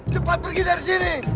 cepat pergi dari sini